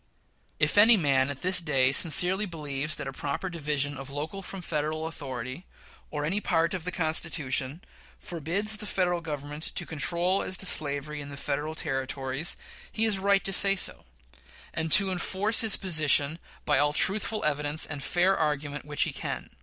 If any man at this day sincerely believes that proper division of local from Federal authority, or any part of the Constitution, forbids the Federal Government to control as to slavery in the Federal Territories, he is right to say so, and to enforce his position by all truthful evidence and fair argument which he can.